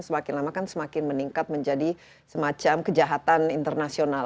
semakin lama kan semakin meningkat menjadi semacam kejahatan internasional